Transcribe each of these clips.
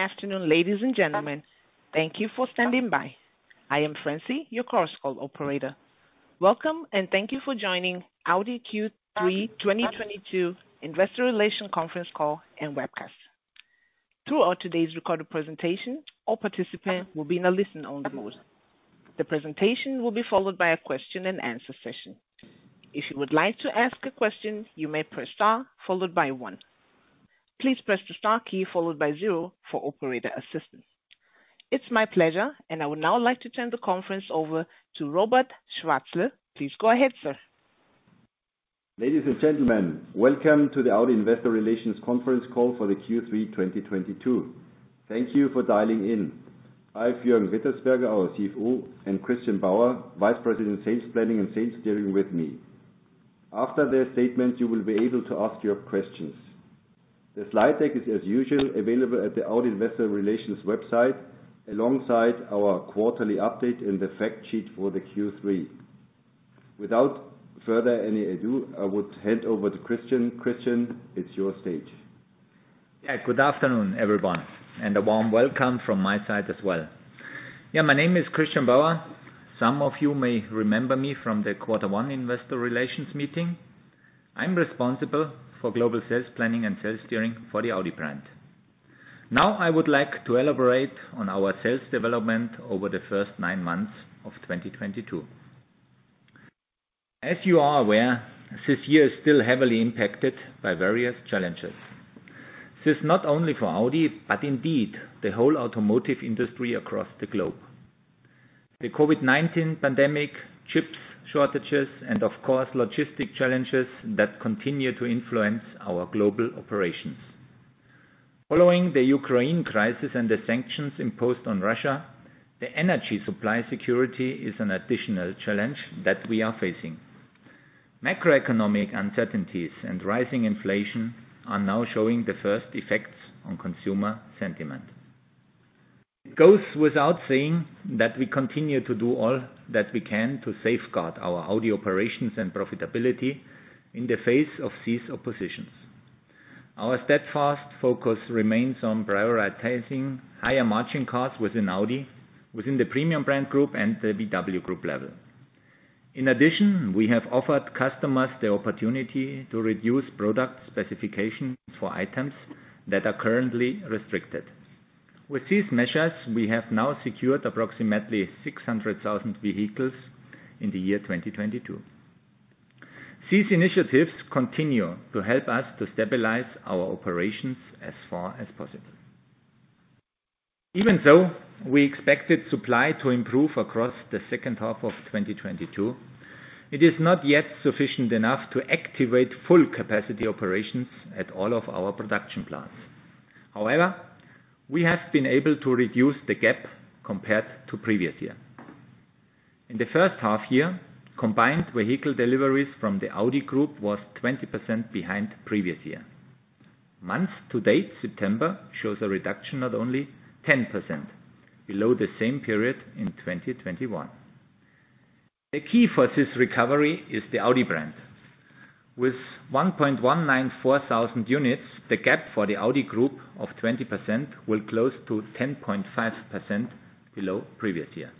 Good afternoon, ladies and gentlemen. Thank you for standing by. I am Francie, your Chorus Call operator. Welcome, and thank you for joining Audi Q3 2022 Investor Relations conference call and webcast. Throughout today's recorded presentation, all participants will be in a listen-only mode. The presentation will be followed by a Q&A session. If you would like to ask a question, you may press star followed by one. Please press the star key followed by zero for operator assistance. It's my pleasure, and I would now like to turn the conference over to Robert Schwarzl. Please go ahead, sir. Ladies and gentlemen, welcome to the Audi Investor Relations conference call for the Q3 2022. Thank you for dialing in. I have Jürgen Rittersberger, our CFO, and Christian Bauer, Vice President Sales Planning and Sales Steering with me. After their statement, you will be able to ask your questions. The slide deck is as usual available at the Audi Investor Relations website, alongside our quarterly update and the fact sheet for the Q3. Without further ado, I would hand over to Christian. Christian, it's your stage. Yeah. Good afternoon, everyone, and a warm welcome from my side as well. Yeah, my name is Christian Bauer. Some of you may remember me from the quarter one investor relations meeting. I'm responsible for global sales planning and sales steering for the Audi brand. Now, I would like to elaborate on our sales development over the first nine months of 2022. As you are aware, this year is still heavily impacted by various challenges. This is not only for Audi, but indeed the whole automotive industry across the globe. The COVID-19 pandemic, chip shortages, and of course, logistics challenges that continue to influence our global operations. Following the Ukraine crisis and the sanctions imposed on Russia, the energy supply security is an additional challenge that we are facing. Macroeconomic uncertainties and rising inflation are now showing the first effects on consumer sentiment. It goes without saying that we continue to do all that we can to safeguard our Audi operations and profitability in the face of these oppositions. Our steadfast focus remains on prioritizing higher margin cars within Audi, within the premium brand group and the VW Group level. In addition, we have offered customers the opportunity to reduce product specification for items that are currently restricted. With these measures, we have now secured approximately 600,000 vehicles in the year 2022. These initiatives continue to help us to stabilize our operations as far as possible. Even so, we expected supply to improve across the second half of 2022. It is not yet sufficient enough to activate full capacity operations at all of our production plants. However, we have been able to reduce the gap compared to previous year. In the first half year, combined vehicle deliveries from the Audi Group was 20% behind previous year. Month to date, September, shows a reduction of only 10% below the same period in 2021. The key for this recovery is the Audi brand. With 1,194,000 units, the gap for the Audi Group of 20% will close to 10.5% below previous year.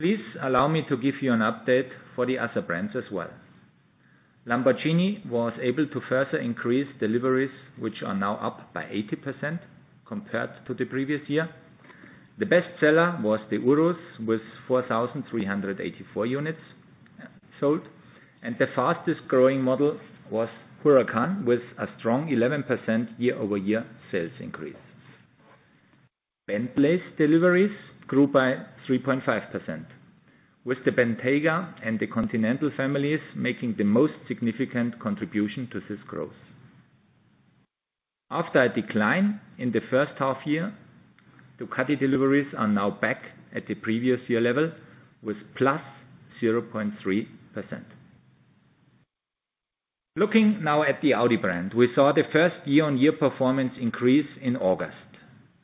Please allow me to give you an update for the other brands as well. Lamborghini was able to further increase deliveries, which are now up by 80% compared to the previous year. The best seller was the Urus with 4,384 units sold, and the fastest-growing model was Huracán with a strong 11% year-over-year sales increase. Bentley's deliveries grew by 3.5%, with the Bentayga and the Continental families making the most significant contribution to this growth. After a decline in the first half year, Ducati deliveries are now back at the previous year level with +0.3%. Looking now at the Audi brand, we saw the first year-on-year performance increase in August,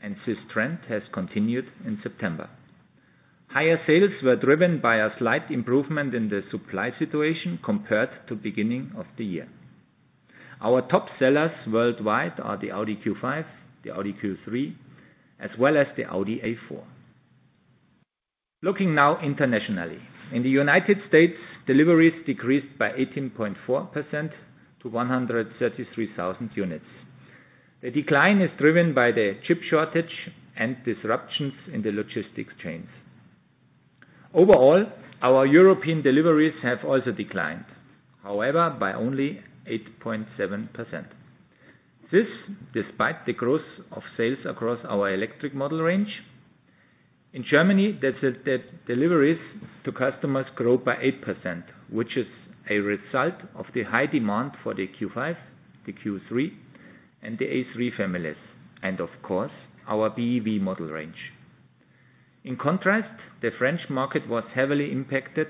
and this trend has continued in September. Higher sales were driven by a slight improvement in the supply situation compared to beginning of the year. Our top sellers worldwide are the Audi Q5, the Audi Q3, as well as the Audi A4. Looking now internationally. In the United States, deliveries decreased by 18.4% to 133,000 units. The decline is driven by the chip shortage and disruptions in the logistics chains. Overall, our European deliveries have also declined, however, by only 8.7%. This, despite the growth of sales across our electric model range. In Germany, the deliveries to customers grow by 8%, which is a result of the high demand for the Q5, the Q3, and the A3 families, and of course, our BEV model range. In contrast, the French market was heavily impacted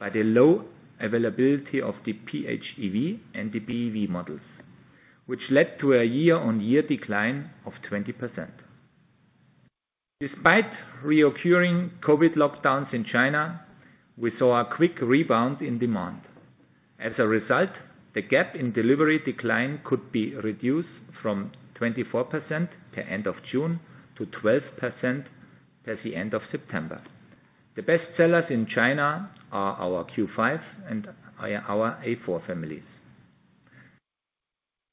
by the low availability of the PHEV and the BEV models, which led to a year-on-year decline of 20%. Despite recurring COVID lockdowns in China, we saw a quick rebound in demand. As a result, the gap in delivery decline could be reduced from 24% to end of June to 12% at the end of September. The best sellers in China are our Q5 and our A4 families.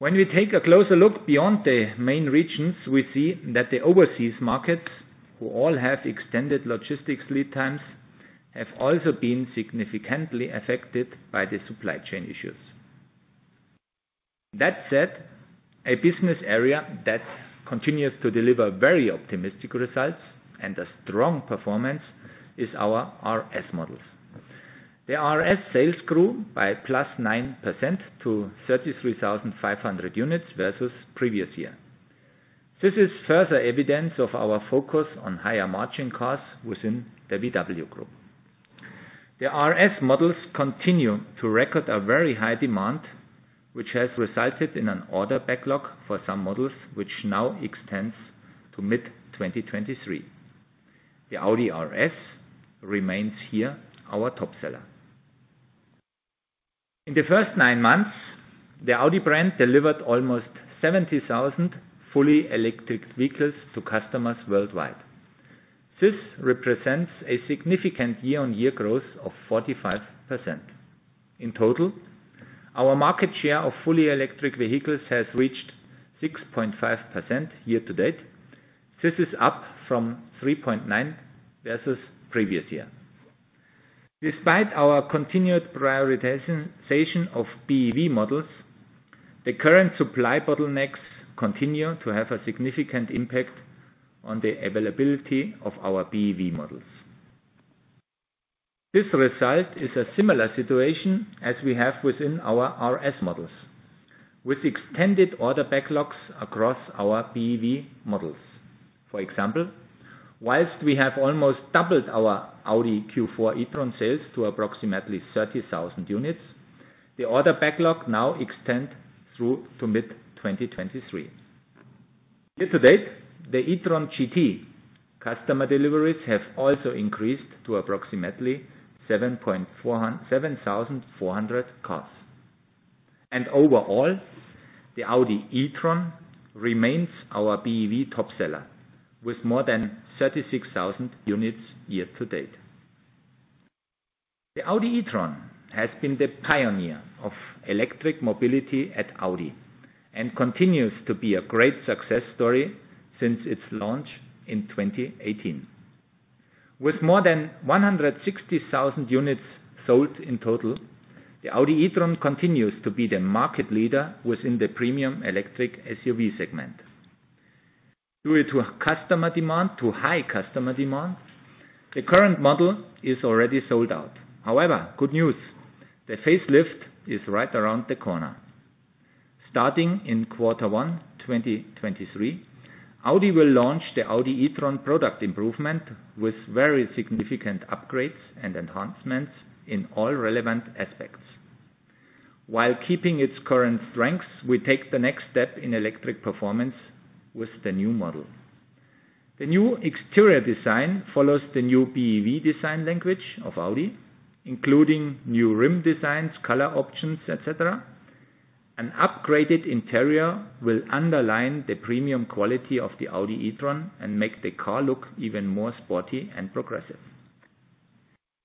When we take a closer look beyond the main regions, we see that the overseas markets, who all have extended logistics lead times, have also been significantly affected by the supply chain issues. That said, a business area that continues to deliver very optimistic results and a strong performance is our RS models. The RS sales grew by +9% to 33,500 units versus previous year. This is further evidence of our focus on higher margin costs within the VW Group. The RS models continue to record a very high demand, which has resulted in an order backlog for some models which now extends to mid-2023. The Audi RS remains here our top seller. In the first nine months, the Audi brand delivered almost 70,000 fully electric vehicles to customers worldwide. This represents a significant year-on-year growth of 45%. In total, our market share of fully electric vehicles has reached 6.5% year to date. This is up from 3.9% versus previous year. Despite our continued prioritization of BEV models, the current supply bottlenecks continue to have a significant impact on the availability of our BEV models. This result is a similar situation as we have within our RS models, with extended order backlogs across our BEV models. For example, while we have almost doubled our Audi Q4 e-tron sales to approximately 30,000 units, the order backlog now extend through to mid-2023. Year to date, the e-tron GT customer deliveries have also increased to approximately 7,400 cars. Overall, the Audi e-tron remains our BEV top seller with more than 36,000 units year to date. The Audi e-tron has been the pioneer of electric mobility at Audi and continues to be a great success story since its launch in 2018. With more than 160,000 units sold in total, the Audi e-tron continues to be the market leader within the premium electric SUV segment. Due to high customer demand, the current model is already sold out. However, good news, the facelift is right around the corner. Starting in quarter one 2023, Audi will launch the Audi e-tron product improvement with very significant upgrades and enhancements in all relevant aspects. While keeping its current strengths, we take the next step in electric performance with the new model. The new exterior design follows the new BEV design language of Audi, including new rim designs, color options, et cetera. An upgraded interior will underline the premium quality of the Audi e-tron and make the car look even more sporty and progressive.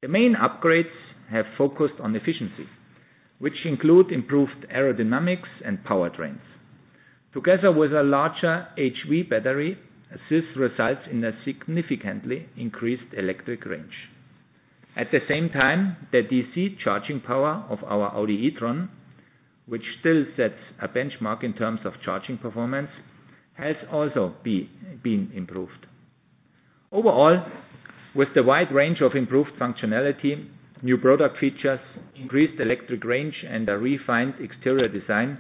The main upgrades have focused on efficiency, which include improved aerodynamics and powertrains. Together with a larger HV battery, this results in a significantly increased electric range. At the same time, the DC charging power of our Audi e-tron, which still sets a benchmark in terms of charging performance, has also been improved. Overall, with the wide range of improved functionality, new product features, increased electric range, and a refined exterior design,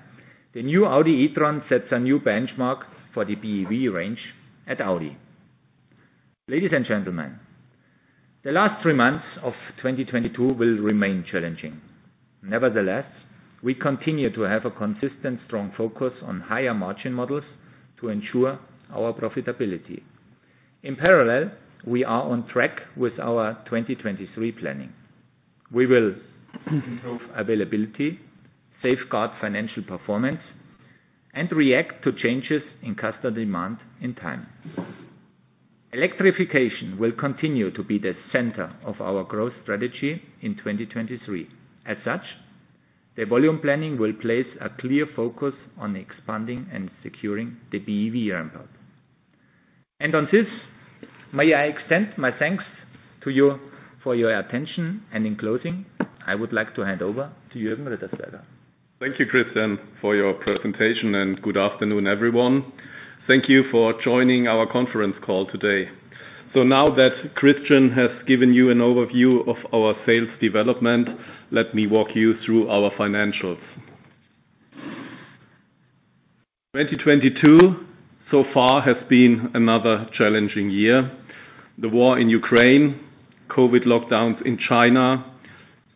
the new Audi e-tron sets a new benchmark for the BEV range at Audi. Ladies and gentlemen, the last three months of 2022 will remain challenging. Nevertheless, we continue to have a consistent strong focus on higher margin models to ensure our profitability. In parallel, we are on track with our 2023 planning. We will improve availability, safeguard financial performance, and react to changes in customer demand in time. Electrification will continue to be the center of our growth strategy in 2023. As such, the volume planning will place a clear focus on expanding and securing the BEV ramp up. On this, may I extend my thanks to you for your attention. In closing, I would like to hand over to Jürgen Rittersberger. Thank you, Christian, for your presentation, and good afternoon, everyone. Thank you for joining our conference call today. Now that Christian has given you an overview of our sales development, let me walk you through our financials. 2022 so far has been another challenging year. The war in Ukraine, COVID lockdowns in China,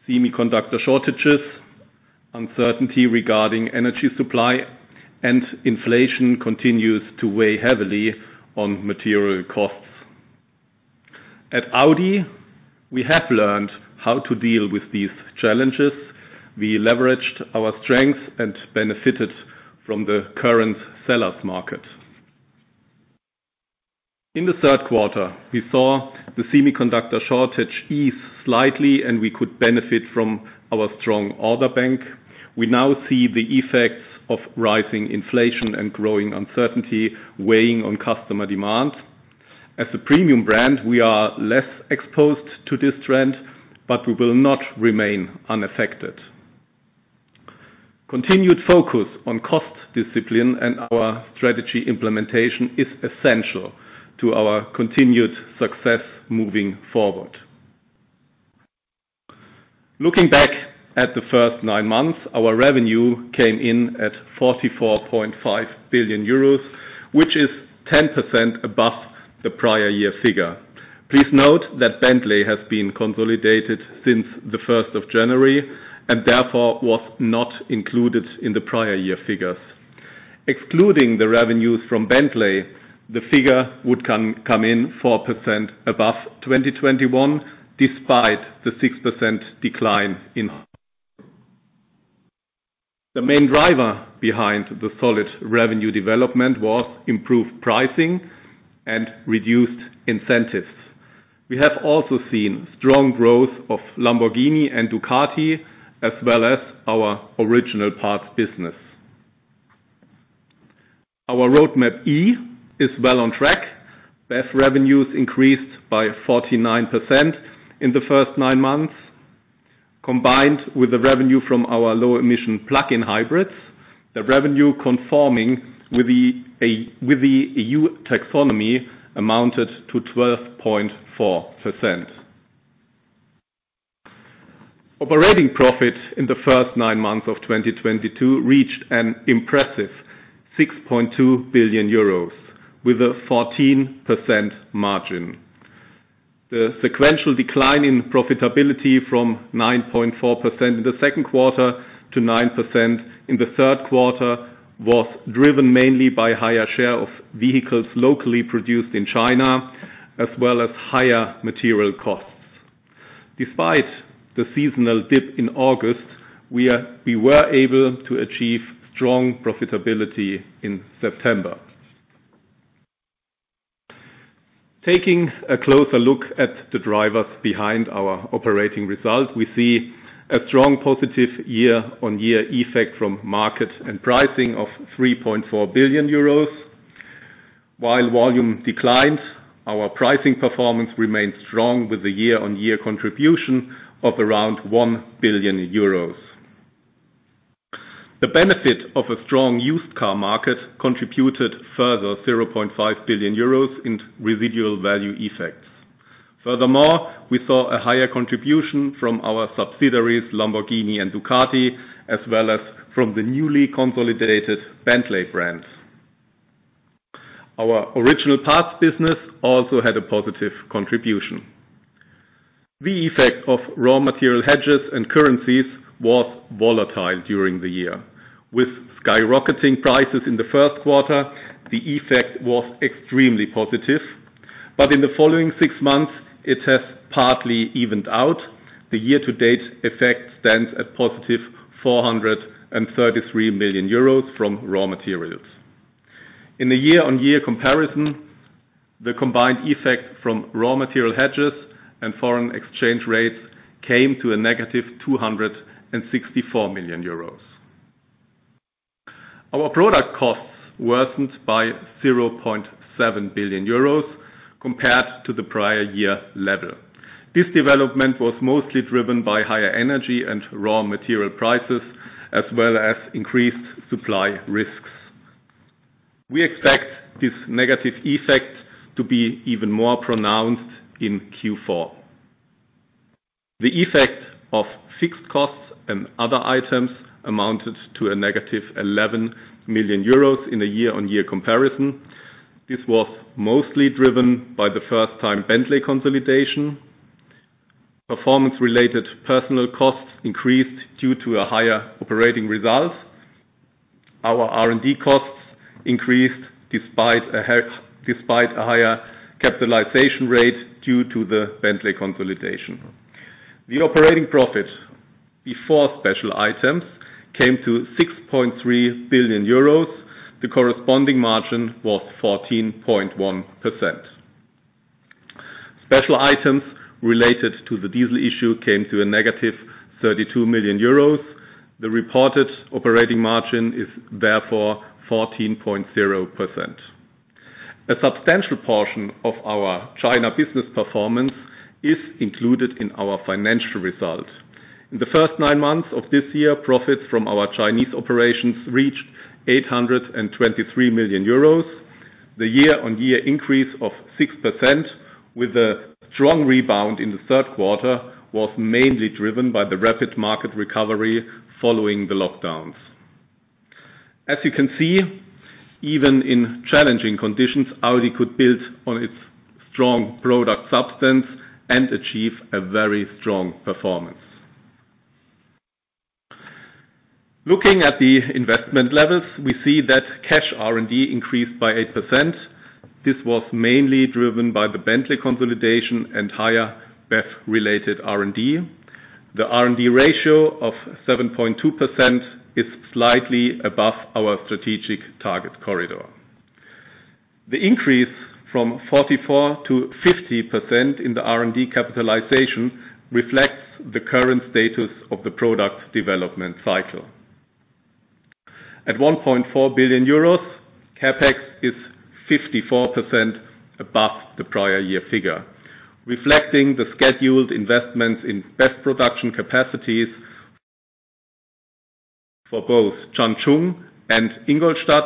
semiconductor shortages. Uncertainty regarding energy supply and inflation continues to weigh heavily on material costs. At Audi, we have learned how to deal with these challenges. We leveraged our strengths and benefited from the current seller's market. In the third quarter, we saw the semiconductor shortage ease slightly, and we could benefit from our strong order bank. We now see the effects of rising inflation and growing uncertainty weighing on customer demand. As a premium brand, we are less exposed to this trend, but we will not remain unaffected. Continued focus on cost discipline and our strategy implementation is essential to our continued success moving forward. Looking back at the first nine months, our revenue came in at 44.5 billion euros, which is 10% above the prior year figure. Please note that Bentley has been consolidated since the first of January and therefore was not included in the prior year figures. Excluding the revenues from Bentley, the figure would come in 4% above 2021, despite the 6% decline. The main driver behind the solid revenue development was improved pricing and reduced incentives. We have also seen strong growth of Lamborghini and Ducati, as well as our original parts business. Our Roadmap E is well on track. BEV revenues increased by 49% in the first nine months. Combined with the revenue from our low emission plug-in hybrids, the revenue conforming with the EU taxonomy amounted to 12.4%. Operating profit in the first nine months of 2022 reached an impressive 6.2 billion euros with a 14% margin. The sequential decline in profitability from 9.4% in the second quarter to 9% in the third quarter was driven mainly by higher share of vehicles locally produced in China, as well as higher material costs. Despite the seasonal dip in August, we were able to achieve strong profitability in September. Taking a closer look at the drivers behind our operating results, we see a strong positive year-on-year effect from market and pricing of 3.4 billion euros. While volume declines, our pricing performance remains strong with a year-on-year contribution of around 1 billion euros. The benefit of a strong used car market contributed further 0.5 billion euros in residual value effects. Furthermore, we saw a higher contribution from our subsidiaries, Lamborghini and Ducati, as well as from the newly consolidated Bentley brands. Our original parts business also had a positive contribution. The effect of raw material hedges and currencies was volatile during the year. With skyrocketing prices in the first quarter, the effect was extremely positive, but in the following six months, it has partly evened out. The year-to-date effect stands at positive 433 million euros from raw materials. In a year-on-year comparison, the combined effect from raw material hedges and foreign exchange rates came to a negative 264 million euros. Our product costs worsened by 0.7 billion euros compared to the prior year level. This development was mostly driven by higher energy and raw material prices, as well as increased supply risks. We expect this negative effect to be even more pronounced in Q4. The effect of fixed costs and other items amounted to a negative 11 million euros in a year-on-year comparison. This was mostly driven by the first-time Bentley consolidation. Performance related personnel costs increased due to a higher operating result. Our R&D costs increased despite a higher capitalization rate due to the Bentley consolidation. The operating profit before special items came to 6.3 billion euros. The corresponding margin was 14.1%. Special items related to the diesel issue came to a negative 32 million euros. The reported operating margin is therefore 14.0%. A substantial portion of our China business performance is included in our financial results. In the first nine months of this year, profits from our Chinese operations reached 823 million euros. The year-on-year increase of 6% with a strong rebound in the third quarter was mainly driven by the rapid market recovery following the lockdowns. As you can see, even in challenging conditions, Audi could build on its strong product substance and achieve a very strong performance. Looking at the investment levels, we see that cash R&D increased by 8%. This was mainly driven by the Bentley consolidation and higher BEV-related R&D. The R&D ratio of 7.2% is slightly above our strategic target corridor. The increase from 44%-50% in the R&D capitalization reflects the current status of the product development cycle. At 1.4 billion euros, CapEx is 54% above the prior year figure, reflecting the scheduled investments in best production capacities for both Changchun and Ingolstadt,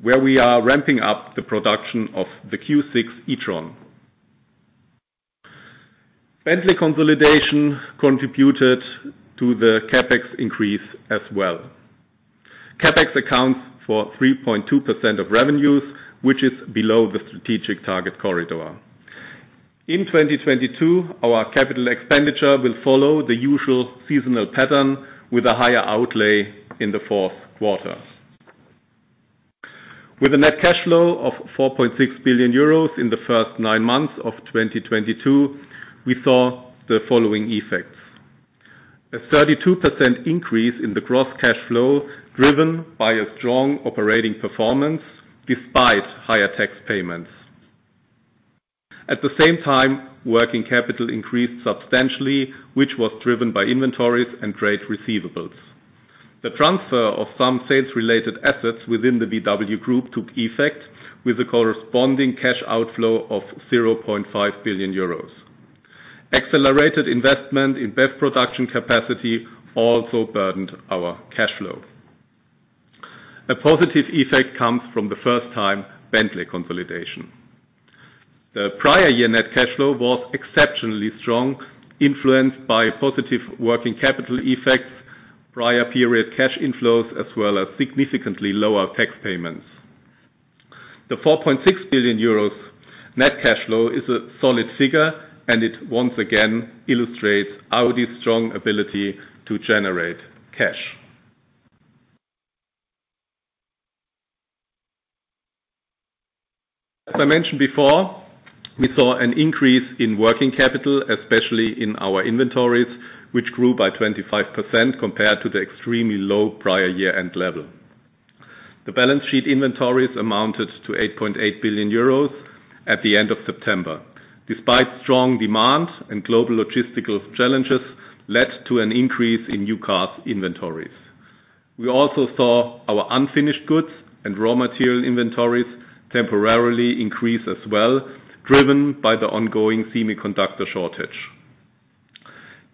where we are ramping up the production of the Q6 e-tron. Bentley consolidation contributed to the CapEx increase as well. CapEx accounts for 3.2% of revenues, which is below the strategic target corridor. In 2022, our capital expenditure will follow the usual seasonal pattern with a higher outlay in the fourth quarter. With a net cash flow of 4.6 billion euros in the first nine months of 2022, we saw the following effects. A 32% increase in the gross cash flow, driven by a strong operating performance despite higher tax payments. At the same time, working capital increased substantially, which was driven by inventories and trade receivables. The transfer of some sales-related assets within the VW Group took effect with a corresponding cash outflow of 0.5 billion euros. Accelerated investment in BEV production capacity also burdened our cash flow. A positive effect comes from the first-time Bentley consolidation. The prior year net cash flow was exceptionally strong, influenced by positive working capital effects, prior period cash inflows, as well as significantly lower tax payments. The 4.6 billion euros net cash flow is a solid figure, and it once again illustrates Audi's strong ability to generate cash. As I mentioned before, we saw an increase in working capital, especially in our inventories, which grew by 25% compared to the extremely low prior year-end level. The balance sheet inventories amounted to 8.8 billion euros at the end of September. Despite strong demand, and global logistical challenges led to an increase in new car inventories. We also saw our unfinished goods and raw material inventories temporarily increase as well, driven by the ongoing semiconductor shortage.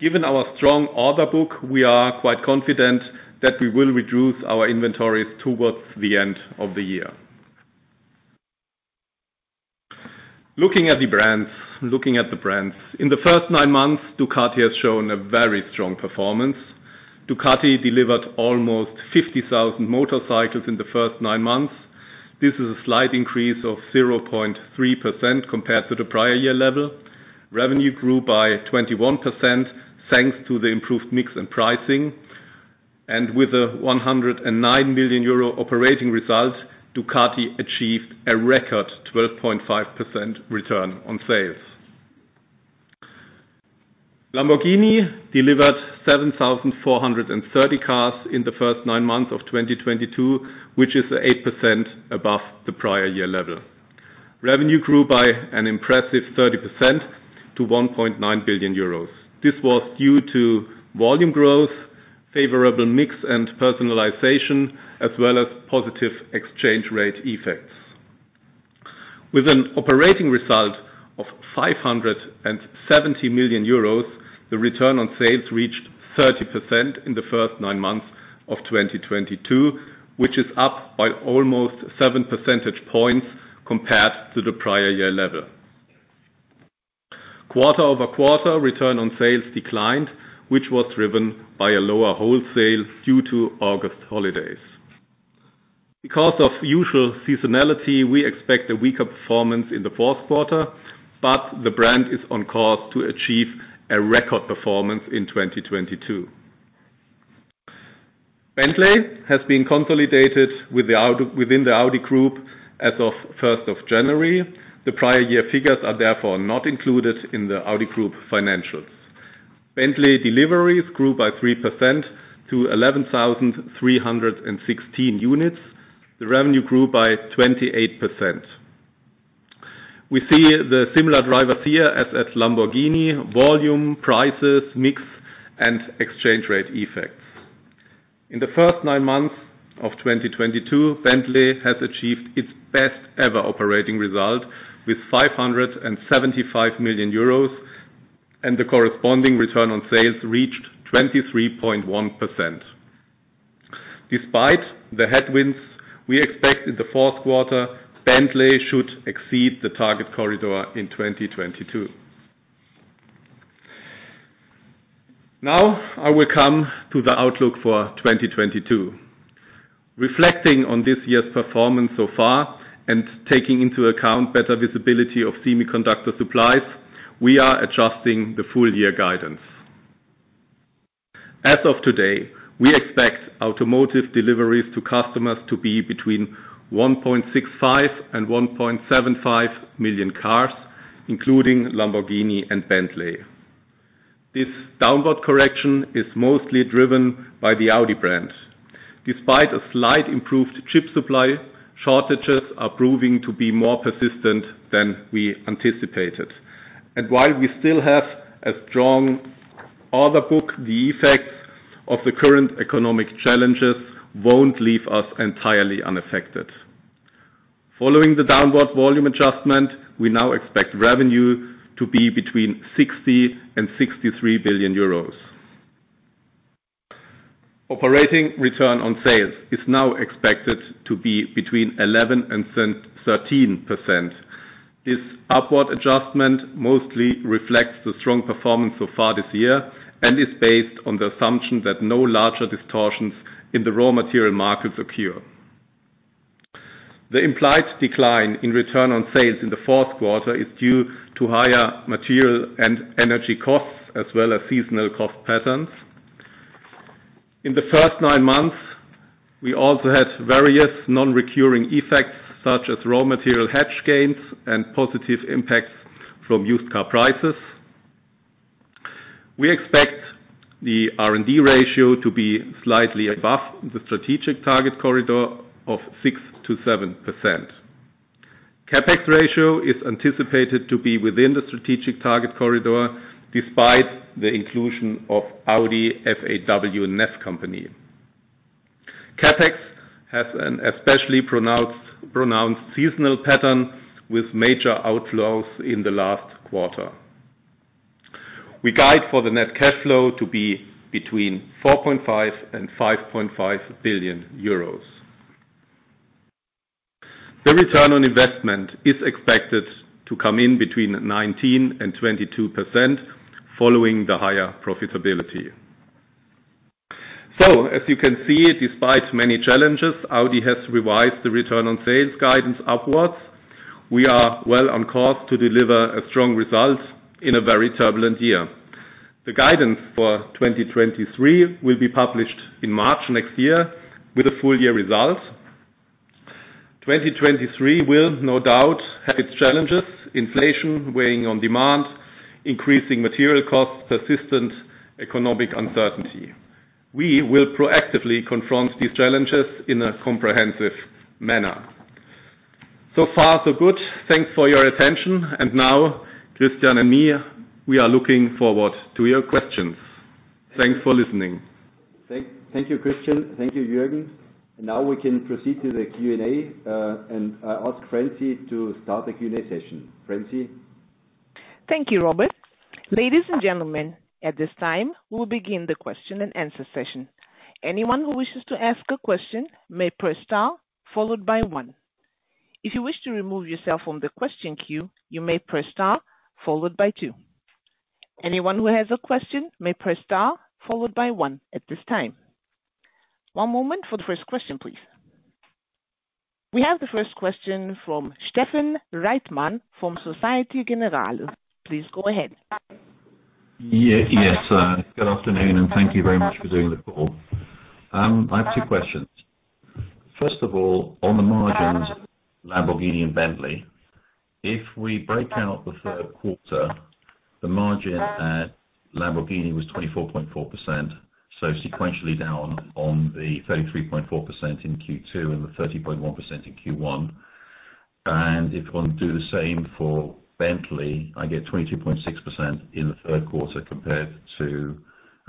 Given our strong order book, we are quite confident that we will reduce our inventories towards the end of the year. Looking at the brands. In the first nine months, Ducati has shown a very strong performance. Ducati delivered almost 50,000 motorcycles in the first nine months. This is a slight increase of 0.3% compared to the prior year level. Revenue grew by 21%, thanks to the improved mix and pricing. With a 109 million euro operating result, Ducati achieved a record 12.5% return on sales. Lamborghini delivered 7,430 cars in the first nine months of 2022, which is 8% above the prior year level. Revenue grew by an impressive 30% to 1.9 billion euros. This was due to volume growth, favorable mix, and personalization, as well as positive exchange rate effects. With an operating result of 570 million euros, the return on sales reached 30% in the first nine months of 2022, which is up by almost 7 percentage points compared to the prior year level. Quarter-over-quarter, return on sales declined, which was driven by a lower wholesale due to August holidays. Because of usual seasonality, we expect a weaker performance in the fourth quarter, but the brand is on course to achieve a record performance in 2022. Bentley has been consolidated within the Audi Group as of first of January. The prior year figures are therefore not included in the Audi Group financials. Bentley deliveries grew by 3% to 11,316 units. The revenue grew by 28%. We see the similar drivers here as at Lamborghini, volume, prices, mix, and exchange rate effects. In the first nine months of 2022, Bentley has achieved its best ever operating result with 575 million euros, and the corresponding return on sales reached 23.1%. Despite the headwinds we expect in the fourth quarter, Bentley should exceed the target corridor in 2022. Now I will come to the outlook for 2022. Reflecting on this year's performance so far and taking into account better visibility of semiconductor supplies, we are adjusting the full year guidance. As of today, we expect automotive deliveries to customers to be between 1.65-1.75 million cars, including Lamborghini and Bentley. This downward correction is mostly driven by the Audi brand. Despite a slight improved chip supply, shortages are proving to be more persistent than we anticipated. While we still have a strong order book, the effect of the current economic challenges won't leave us entirely unaffected. Following the downward volume adjustment, we now expect revenue to be EUR 60-63 billion. Operating return on sales is now expected to be 11%-13%. This upward adjustment mostly reflects the strong performance so far this year and is based on the assumption that no larger distortions in the raw material markets occur. The implied decline in return on sales in the fourth quarter is due to higher material and energy costs as well as seasonal cost patterns. In the first nine months, we also had various non-recurring effects such as raw material hedge gains and positive impacts from used car prices. We expect the R&D ratio to be slightly above the strategic target corridor of 6%-7%. CapEx ratio is anticipated to be within the strategic target corridor despite the inclusion of Audi FAW NEV Company. CapEx has an especially pronounced seasonal pattern with major outflows in the last quarter. We guide for the net cash flow to be between 4.5 billion and 5.5 billion euros. The return on investment is expected to come in between 19% and 22% following the higher profitability. As you can see, despite many challenges, Audi has revised the return on sales guidance upwards. We are well on course to deliver a strong result in a very turbulent year. The guidance for 2023 will be published in March next year with the full year results. 2023 will no doubt have its challenges, inflation weighing on demand, increasing material costs, persistent economic uncertainty. We will proactively confront these challenges in a comprehensive manner. So far, so good. Thanks for your attention. Now Christian and me, we are looking forward to your questions. Thanks for listening. Thank you, Christian. Thank you, Jürgen. Now we can proceed to the Q&A, and I ask Francie to start the Q&A session. Francie? Thank you, Robert. Ladies and gentlemen, at this time, we'll begin the question and answer session. Anyone who wishes to ask a question may press star followed by one. If you wish to remove yourself from the question queue, you may press star followed by two. Anyone who has a question may press star followed by one at this time. One moment for the first question, please. We have the first question from Stephen Reitman from Societe Generale. Please go ahead. Yes. Good afternoon, and thank you very much for doing the call. I have two questions. First of all, on the margins, Lamborghini and Bentley, if we break out the third quarter, the margin at Lamborghini was 24.4%, so sequentially down on the 33.4% in Q2 and the 30.1% in Q1. If one do the same for Bentley, I get 22.6% in the third quarter compared to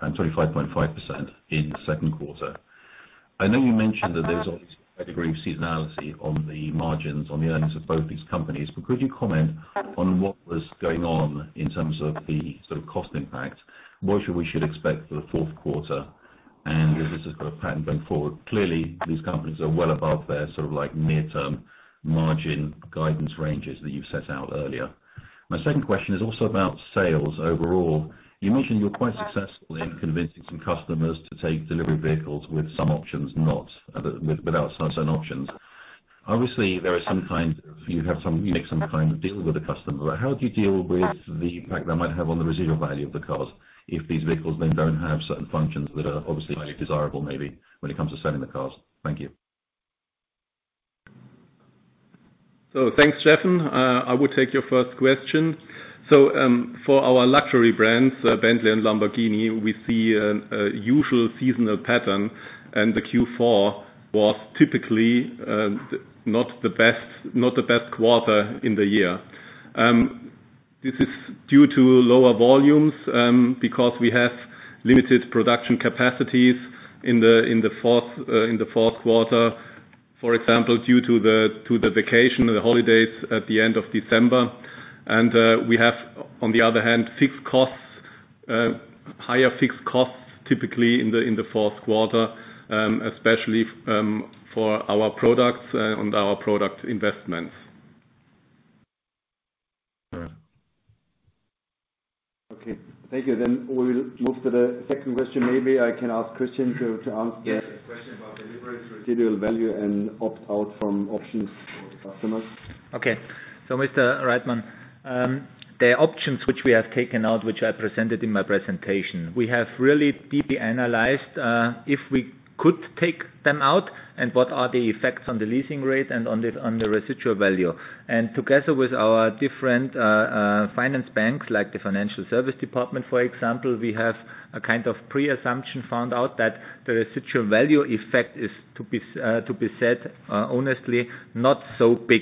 25.5% in the second quarter. I know you mentioned that there's obviously a degree of seasonality on the margins on the earnings of both these companies, but could you comment on what was going on in terms of the sort of cost impact? What should we expect for the fourth quarter? Is this a sort of pattern going forward? Clearly, these companies are well above their sort of like near-term margin guidance ranges that you've set out earlier. My second question is also about sales overall. You mentioned you were quite successful in convincing some customers to take delivery vehicles with some options not without certain options. Obviously, there are some times you have, you make some kind of deal with a customer. How do you deal with the impact that might have on the residual value of the cars if these vehicles then don't have certain functions that are obviously highly desirable maybe when it comes to selling the cars? Thank you. Thanks, Stephen. I will take your first question. For our luxury brands, Bentley and Lamborghini, we see a usual seasonal pattern, and the Q4 was typically not the best quarter in the year. This is due to lower volumes because we have limited production capacities in the fourth quarter, for example, due to the vacation, the holidays at the end of December. We have, on the other hand, fixed costs, higher fixed costs typically in the fourth quarter, especially for our products and our product investments. Okay. Thank you, we'll move to the second question. Maybe I can ask Christian to answer. Yes. The question about delivery, residual value, and opt out from options for the customers. Okay. Mr. Reitman, the options which we have taken out, which I presented in my presentation, we have really deeply analyzed if we could take them out, and what are the effects on the leasing rate and on the residual value. Together with our different finance banks, like the financial service department, for example, we have a kind of pre-assumption found out that the residual value effect is to be said, honestly not so big.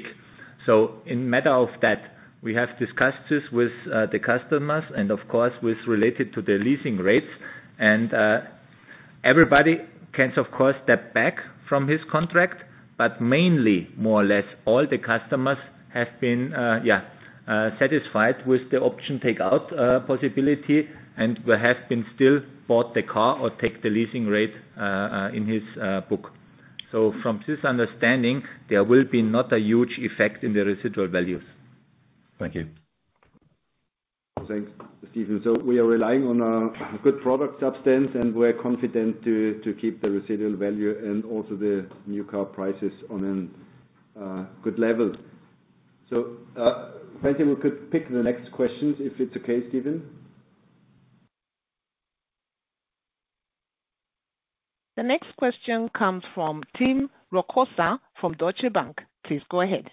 In matter of that, we have discussed this with the customers and of course with related to the leasing rates. Everybody can of course step back from his contract, but mainly more or less all the customers have been satisfied with the option take out possibility and perhaps been still bought the car or take the leasing rate in his book. From this understanding, there will be not a huge effect in the residual values. Thank you. Thanks, Stephen. We are relying on good product substance, and we're confident to keep the residual value and also the new car prices on a good level. Francie, we could pick the next questions if it's okay, Stephen. The next question comes from Tim Rokossa from Deutsche Bank. Please go ahead.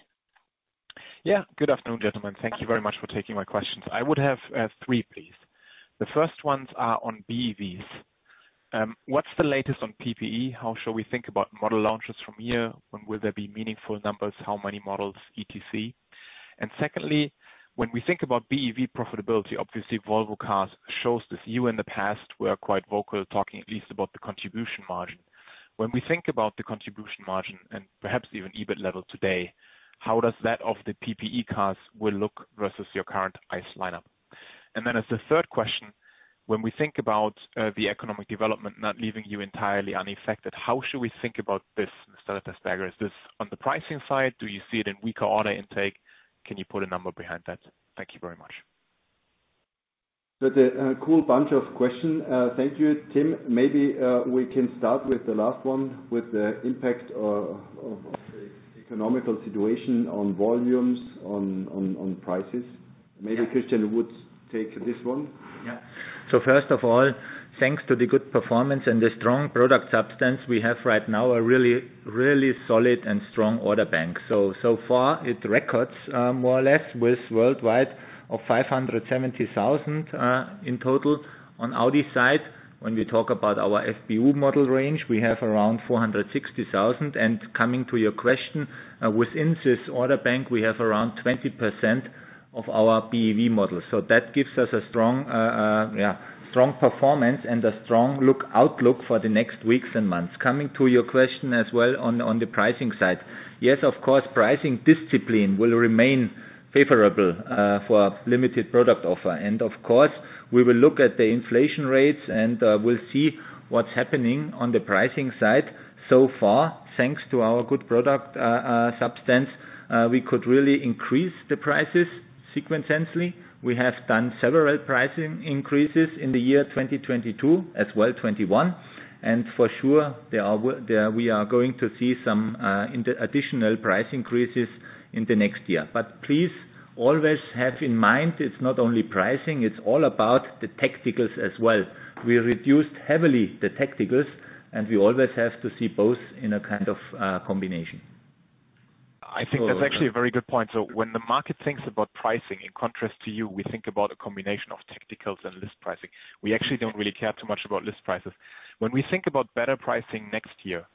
Yeah, good afternoon, gentlemen. Thank you very much for taking my questions. I would have three, please. The first ones are on BEVs. What's the latest on PPE? How shall we think about model launches from here? When will there be meaningful numbers? How many models, etc? Secondly, when we think about BEV profitability, obviously Volvo Cars shows this. You in the past were quite vocal talking at least about the contribution margin. When we think about the contribution margin and perhaps even EBIT level today, how does that of the PPE cars will look versus your current ICE lineup? Then as the third question, when we think about the economic development not leaving you entirely unaffected, how should we think about this in the sales strategy? Is this on the pricing side? Do you see it in weaker order intake? Can you put a number behind that? Thank you very much. That's a cool bunch of questions. Thank you, Tim. Maybe we can start with the last one, with the impact of the economic situation on volumes, on prices. Maybe Christian would take this one. Yeah. First of all, thanks to the good performance and the strong product substance we have right now, a really, really solid and strong order bank. So far it records, more or less, worldwide, 570,000 in total. On Audi side, when we talk about our BEV model range, we have around 460,000. Coming to your question, within this order bank, we have around 20% of our BEV models. That gives us a strong performance and a strong outlook for the next weeks and months. Coming to your question as well on the pricing side. Yes, of course, pricing discipline will remain favorable for limited product offer. Of course, we will look at the inflation rates and we'll see what's happening on the pricing side. So far, thanks to our good product substance, we could really increase the prices sequentially sensibly. We have done several pricing increases in the year 2022, as well 2021. For sure, we are going to see some additional price increases in the next year. Please always have in mind, it's not only pricing, it's all about the tacticals as well. We reduced heavily the tacticals, and we always have to see both in a kind of combination. I think that's actually a very good point. When the market thinks about pricing, in contrast to you, we think about a combination of tacticals and list pricing. We actually don't really care too much about list prices. When we think about better pricing next year,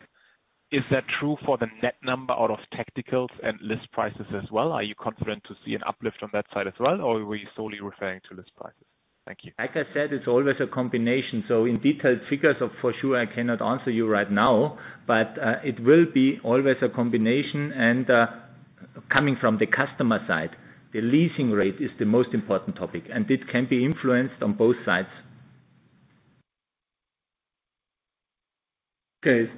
is that true for the net number out of tacticals and list prices as well? Are you confident to see an uplift on that side as well, or were you solely referring to list prices? Thank you. Like I said, it's always a combination. In detailed figures, for sure, I cannot answer you right now, but it will be always a combination. Coming from the customer side, the leasing rate is the most important topic, and it can be influenced on both sides. Okay.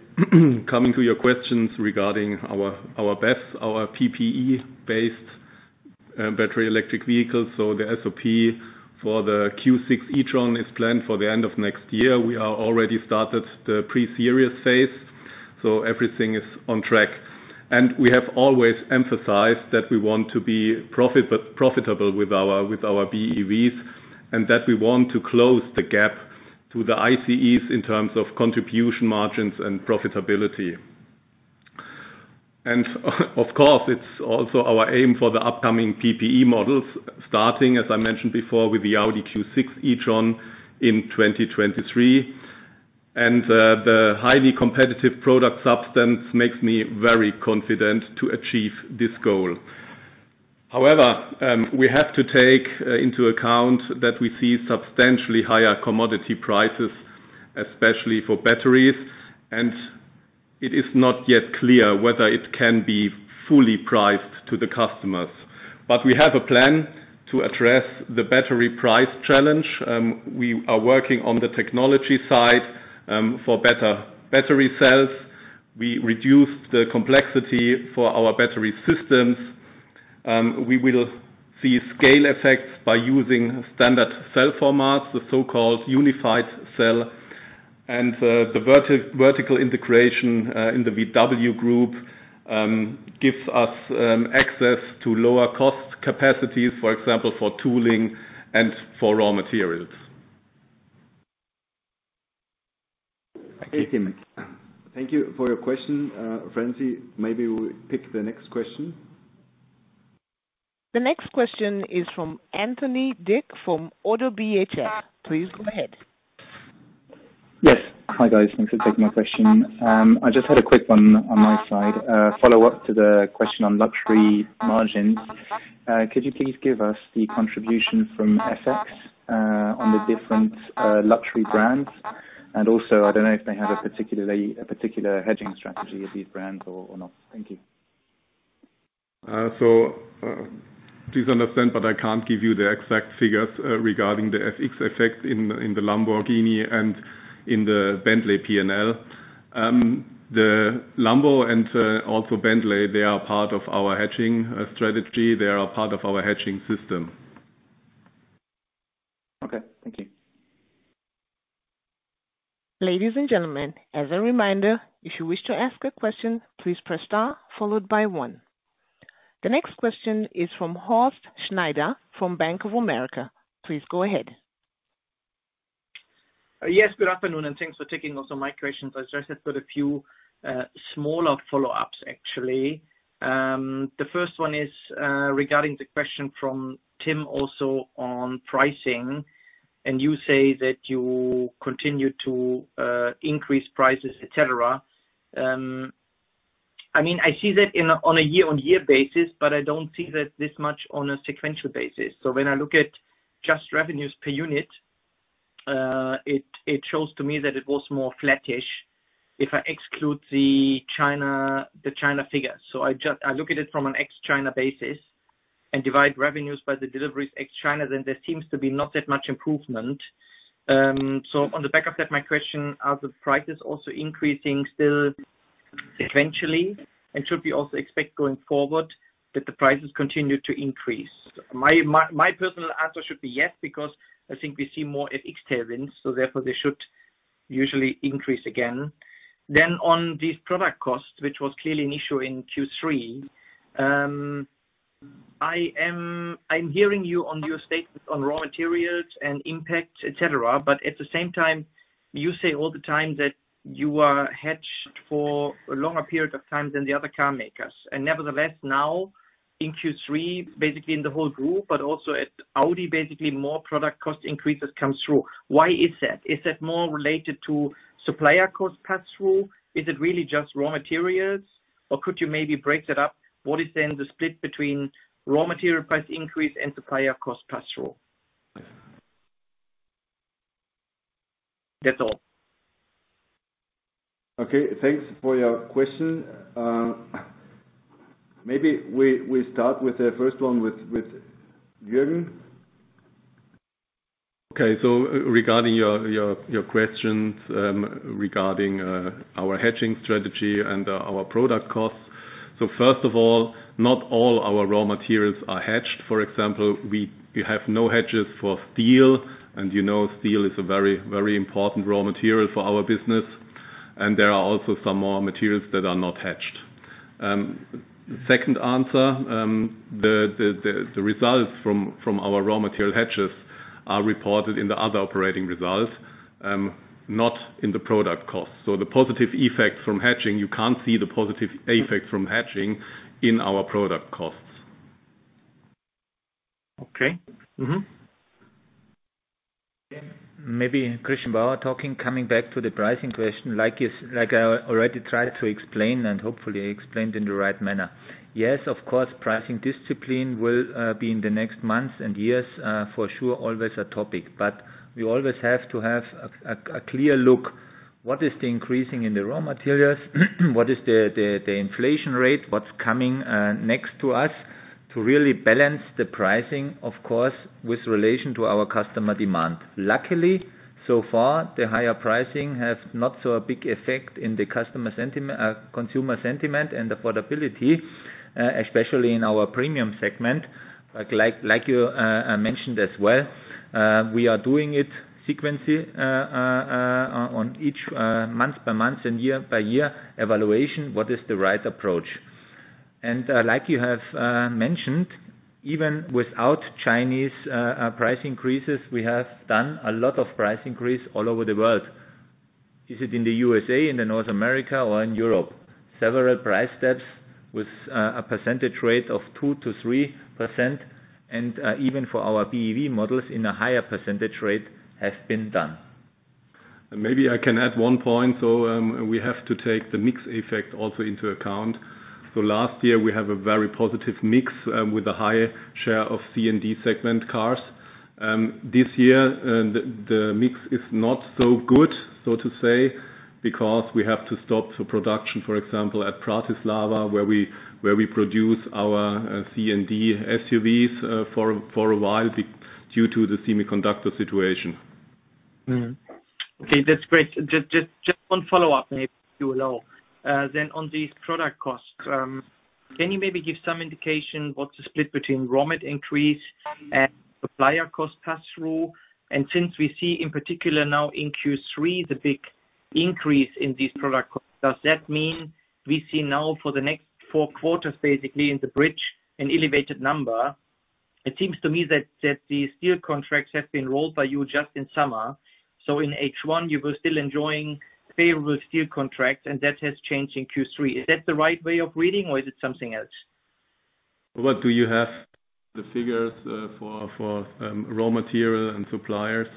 Coming to your questions regarding our BEVs, our PPE based battery electric vehicles. The SOP for the Q6 e-tron is planned for the end of next year. We are already started the pre-series phase, so everything is on track. We have always emphasized that we want to be profitable with our BEVs, and that we want to close the gap to the ICEs in terms of contribution margins and profitability. Of course, it's also our aim for the upcoming PPE models, starting, as I mentioned before, with the Audi Q6 e-tron in 2023. The highly competitive product substance makes me very confident to achieve this goal. However, we have to take into account that we see substantially higher commodity prices, especially for batteries, and it is not yet clear whether it can be fully priced to the customers. We have a plan to address the battery price challenge. We are working on the technology side, for better battery cells We reduced the complexity for our battery systems. We will see scale effects by using standard cell formats, the so-called unified cell. The vertical integration in the VW Group gives us access to lower cost capacities, for example, for tooling and for raw materials. Thank you. Thank you for your question, Francie. Maybe we pick the next question. The next question is from Anthony Dick from ODDO BHF. Please go ahead. Yes. Hi, guys. Thanks for taking my question. I just had a quick one on my side, follow-up to the question on luxury margins. Could you please give us the contribution from FX on the different luxury brands? I don't know if they have a particular hedging strategy of these brands or not. Thank you. Please understand, but I can't give you the exact figures regarding the FX effect in the Lamborghini and in the Bentley P&L. The Lambo and also Bentley, they are part of our hedging strategy. They are part of our hedging system. Okay. Thank you. Ladies and gentlemen, as a reminder, if you wish to ask a question, please press star followed by one. The next question is from Horst Schneider from Bank of America. Please go ahead. Yes, good afternoon, and thanks for taking my questions. As Jürgen said, put a few smaller follow-ups, actually. The first one is regarding the question from Tim also on pricing, and you say that you continue to increase prices, et cetera. I mean, I see that on a year-on-year basis, but I don't see that this much on a sequential basis. When I look at just revenues per unit, it shows to me that it was more flattish if I exclude the China figure. I look at it from an ex China basis and divide revenues by the deliveries ex China, then there seems to be not that much improvement. On the back of that, my question, are the prices also increasing still sequentially? Should we also expect going forward that the prices continue to increase? My personal answer should be yes, because I think we see more FX tailwinds, so therefore they should usually increase again. Then on these product costs, which was clearly an issue in Q3, I'm hearing you on your statements on raw materials and impact, et cetera, but at the same time, you say all the time that you are hedged for a longer period of time than the other car makers. Nevertheless, now in Q3, basically in the whole group, but also at Audi, basically more product cost increases come through. Why is that? Is that more related to supplier cost pass-through? Is it really just raw materials? Or could you maybe break that up? What is then the split between raw material price increase and supplier cost pass-through? That's all. Okay. Thanks for your question. Maybe we start with the first one with Jürgen. Regarding your questions regarding our hedging strategy and our product costs. First of all, not all our raw materials are hedged. For example, we have no hedges for steel, and you know steel is a very important raw material for our business, and there are also some more materials that are not hedged. Second answer, the results from our raw material hedges are reported in the other operating results, not in the product cost. The positive effects from hedging, you can't see the positive effects from hedging in our product costs. Okay. Mm-hmm. Coming back to the pricing question. Like I already tried to explain, and hopefully I explained in the right manner. Yes, of course, pricing discipline will be in the next months and years for sure, always a topic. We always have to have a clear look, what is the increase in the raw materials. What is the inflation rate. What's coming next to us. To really balance the pricing, of course, with relation to our customer demand. Luckily, so far, the higher pricing has not had such a big effect on the consumer sentiment and affordability, especially in our premium segment. Like you mentioned as well, we are doing it sequentially on each month by month and year by year evaluation, what is the right approach. Like you have mentioned, even without Chinese price increases, we have done a lot of price increases all over the world. Be it in the USA, in North America, or in Europe. Several price steps with a percentage rate of 2%-3%, and even for our BEV models in a higher percentage rate has been done. Maybe I can add one point, we have to take the mix effect also into account. Last year we have a very positive mix, with a higher share of C and D segment cars. This year, the mix is not so good, so to say, because we have to stop the production, for example, at Bratislava, where we produce our C and D SUVs, for a while due to the semiconductor situation. Okay, that's great. Just one follow-up maybe if you allow. Then on these product costs, can you maybe give some indication what's the split between raw material increase and supplier cost pass-through? Since we see in particular now in Q3, the big increase in these product costs, does that mean we see now for the next four quarters, basically in the bridge, an elevated number? It seems to me that the steel contracts have been rolled by you just in summer. In H1, you were still enjoying favorable steel contracts, and that has changed in Q3. Is that the right way of reading or is it something else? What do you have the figures for raw material and suppliers?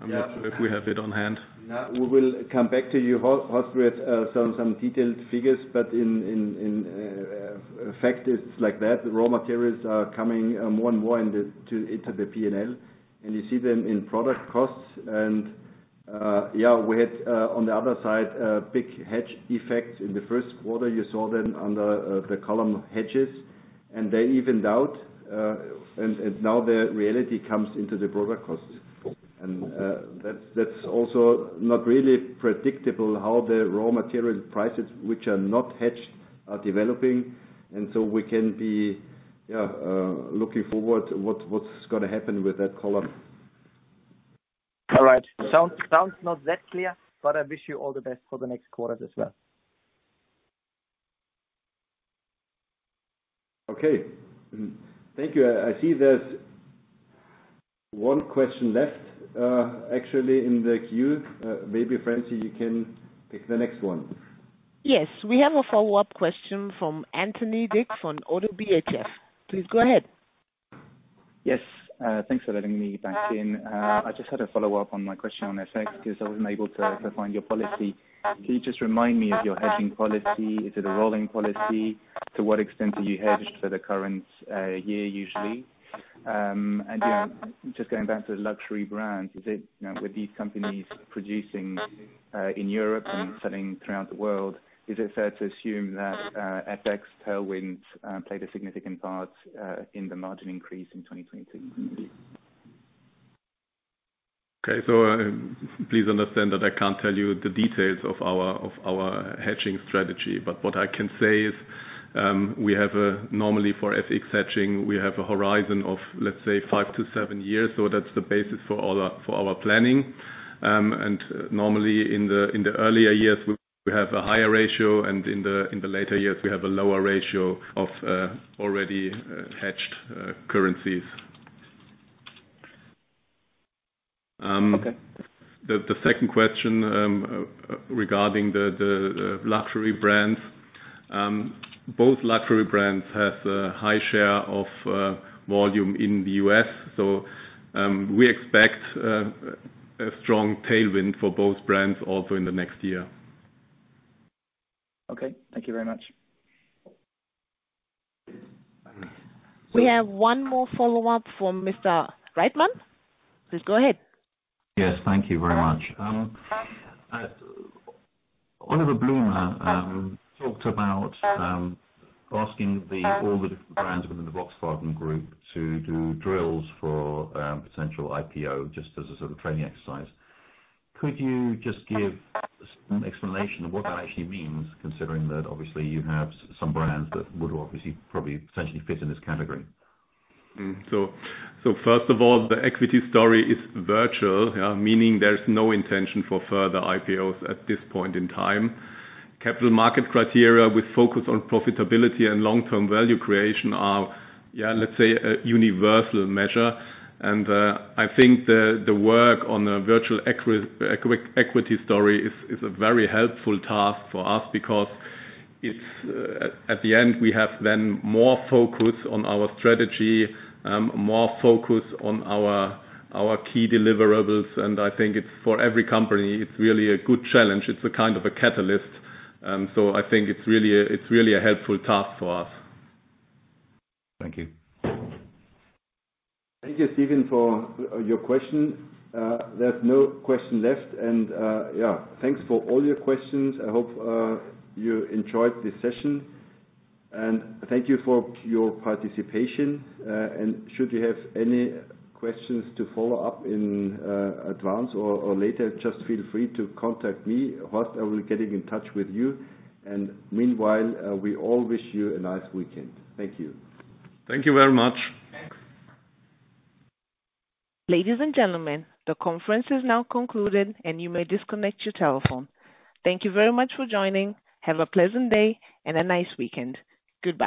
I'm not sure if we have it on hand. Yeah. We will come back to you, Horst, with some detailed figures. In effect, it's like that. The raw materials are coming more and more into the P&L, and you see them in product costs. We had on the other side a big hedge effect. In the first quarter, you saw them under the column hedges, and they evened out. Now the reality comes into the product costs. That's also not really predictable how the raw material prices, which are not hedged, are developing. We can be looking forward what's gonna happen with that column. All right. Sounds not that clear, but I wish you all the best for the next quarters as well. Okay. Thank you. I see there's one question left, actually in the queue. Maybe, Francie, you can pick the next one. Yes. We have a follow-up question from Anthony Dick on ODDO BHF. Please go ahead. Yes. Thanks for letting me back in. I just had a follow-up on my question on FX 'cause I wasn't able to find your policy. Can you just remind me of your hedging policy? Is it a rolling policy? To what extent do you hedge for the current year usually? You know, just going back to the luxury brands, is it, you know, with these companies producing in Europe and selling throughout the world, is it fair to assume that FX tailwinds played a significant part in the margin increase in 2022? Okay. Please understand that I can't tell you the details of our hedging strategy. What I can say is, we have normally for FX hedging, we have a horizon of, let's say, five to seven years. That's the basis for all our planning. Normally in the earlier years, we have a higher ratio, and in the later years, we have a lower ratio of already hedged currencies. Okay. The second question regarding the luxury brands. Both luxury brands has a high share of volume in the U.S. We expect a strong tailwind for both brands also in the next year. Okay. Thank you very much. We have one more follow-up from Mr. Reitman. Please go ahead. Yes. Thank you very much. Oliver Blume talked about asking all the different brands within the Volkswagen Group to do drills for potential IPO, just as a sort of training exercise. Could you just give some explanation of what that actually means, considering that obviously you have some brands that would obviously, probably, potentially fit in this category? First of all, the equity story is virtual, yeah, meaning there's no intention for further IPOs at this point in time. Capital market criteria with focus on profitability and long-term value creation are, yeah, let's say a universal measure. I think the work on a virtual equity story is a very helpful task for us because it's at the end, we have then more focus on our strategy, more focus on our key deliverables. I think it's for every company, it's really a good challenge. It's a kind of a catalyst. I think it's really a helpful task for us. Thank you. Thank you, Stephen, for your question. There's no question left. Yeah, thanks for all your questions. I hope you enjoyed this session, and thank you for your participation. Should you have any questions to follow up in advance or later, just feel free to contact me. Horst, I'll be getting in touch with you. Meanwhile, we all wish you a nice weekend. Thank you. Thank you very much. Thanks. Ladies and gentlemen, the conference is now concluded, and you may disconnect your telephone. Thank you very much for joining. Have a pleasant day and a nice weekend. Goodbye.